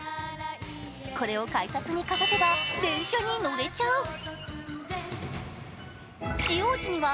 これを改札にかざせば電車に乗れちゃう。